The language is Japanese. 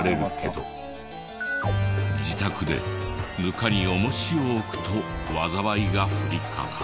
自宅でぬかに重石を置くと災いが降りかかる。